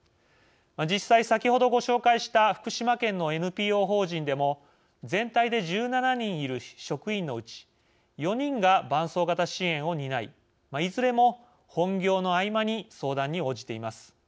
実際先ほど、ご紹介した福島県のＮＰＯ法人でも全体で１７人いる職員のうち４人が伴走型支援を担いいずれも本業の合間に相談に応じています。